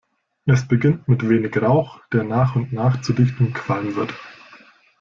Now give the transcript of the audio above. Es beginnt mit wenig Rauch, der nach und nach zu dichtem Qualm wird.